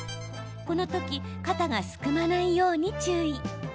この時、肩がすくまないように注意。